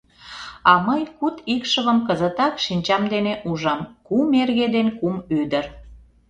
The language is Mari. А мый куд икшывым кызытак шинчам дене ужам: кум эрге ден кум ӱдыр.